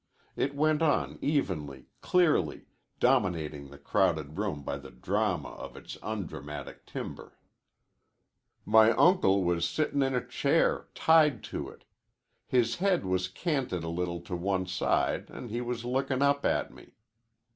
It went on evenly, clearly, dominating the crowded room by the drama of its undramatic timbre. "My uncle was sittin' in a chair, tied to it. His head was canted a little to one side an' he was lookin' up at me.